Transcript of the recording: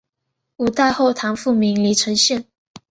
五代后唐复名黎城县。